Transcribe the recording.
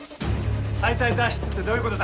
臍帯脱出ってどういうことだ？